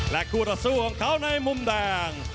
คู่ต่อสู้ของเขาในมุมแดง